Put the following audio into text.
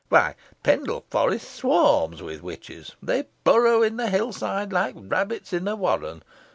"Why, Pendle Forest swarms with witches. They burrow in the hill side like rabbits in a warren.